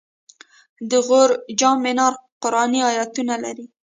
د غور جام منار قرآني آیتونه لري